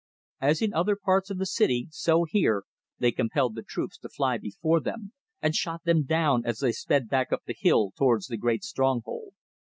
As in other parts of the city, so here, they compelled the troops to fly before them, and shot them down as they sped back up the hill towards the great stronghold.